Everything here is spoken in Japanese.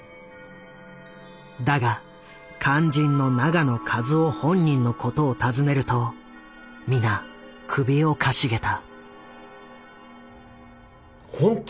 だが肝心の永野一男本人のことを尋ねると皆首をかしげた。